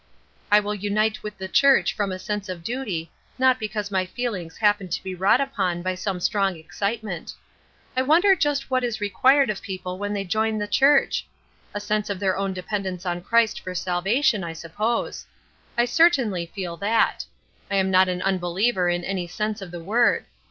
I will unite with the church from a sense of duty, not because my feelings happen to be wrought upon by some strong excitement. I wonder just what is required of people when they join the church? A sense of their own dependence on Christ for salvation I suppose. I certainly feel that. I am not an unbeliever in any sense of the word.